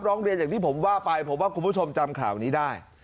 ร้องเรียนอย่างที่ผมว่าไปผมว่าคุณผู้ชมจำข่าวนี้ได้